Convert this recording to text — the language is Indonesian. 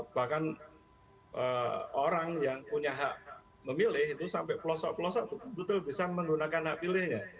bahkan orang yang punya hak memilih itu sampai pelosok pelosok betul bisa menggunakan hak pilihnya